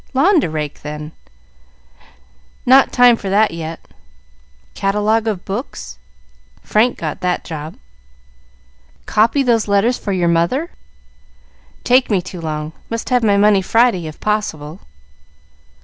"Lawn to rake, then?" "Not time for that yet." "Catalogue of books?" "Frank got that job." "Copy those letters for your mother?" "Take me too long. Must have my money Friday, if possible."